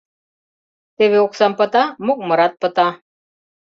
— Теве оксам пыта — мокмырат пыта.